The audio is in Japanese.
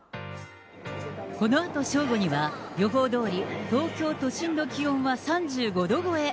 このあと正午には、予報どおり東京都心の気温は３５度超え。